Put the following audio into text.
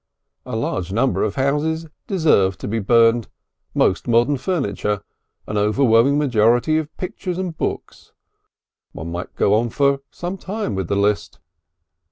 A large number of houses deserve to be burnt, most modern furniture, an overwhelming majority of pictures and books one might go on for some time with the list.